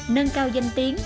nâng cao danh tiếng